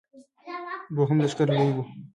دوهم لښکر لوی و.